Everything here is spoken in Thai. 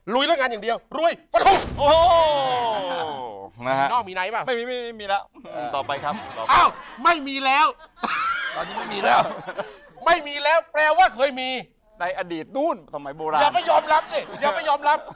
ลุยเรื่องอันอย่างเดียวลุย